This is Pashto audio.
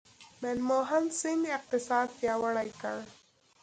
منموهن سینګ اقتصاد پیاوړی کړ.